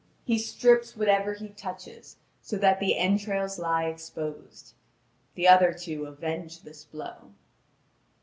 He strips whatever he touches, so that the entrails lie exposed. The other two avenge this blow.